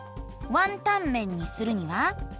「ワンタンメン」にするには？